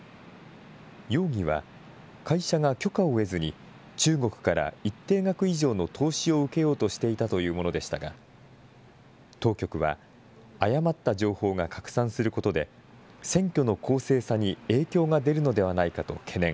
容疑は、会社が許可を得ずに、中国から一定額以上の投資を受けようとしていたというものでしたが、当局は、誤った情報が拡散することで、選挙の公正さに影響が出るのではないかと懸念。